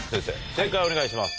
正解をお願いします。